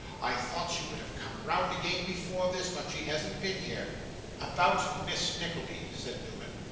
I thought she would have come round again before this, but she hasn't been here.' 'About Miss Nickleby ' said Newman.